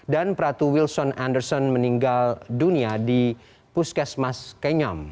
dan pratu wilson anderson meninggal dunia di puskesmas kenyam